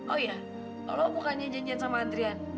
oh iya kalau aku bukannya janjian sama adrian